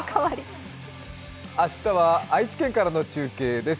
明日は愛知県からの中継です。